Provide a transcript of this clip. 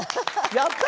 やった！